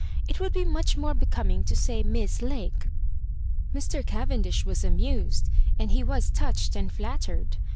It would be much more becoming to say Miss Lake." Mr. Cavendish was amused, and he was touched and flattered.